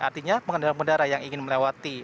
artinya pengendara pengendara yang ingin melewati